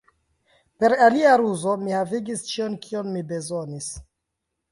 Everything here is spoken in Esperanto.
Per alia ruzo, mi havigis ĉion, kion mi bezonis.